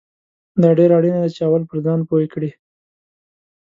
دا ډیره اړینه ده چې اول پرې ځان پوه کړې